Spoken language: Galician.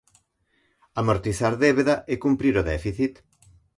Amortizar débeda e cumprir o déficit.